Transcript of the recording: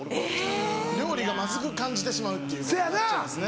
料理がまずく感じてしまうっていうことになっちゃいますね。